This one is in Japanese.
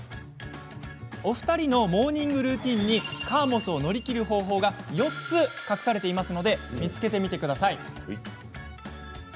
お二人のモーニングルーティンにカーモスを乗り切る方法が４つ隠されているので見つけてください。